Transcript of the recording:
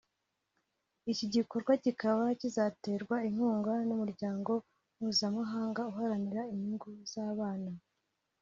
Iki gikorwa kibaba kizaterwa inkunga n’Umuryango mpuzamahanga uharanira inyungu z’abana